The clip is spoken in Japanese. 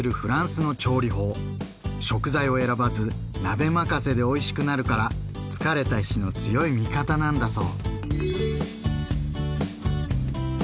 食材を選ばず鍋任せでおいしくなるから疲れた日の強い味方なんだそう。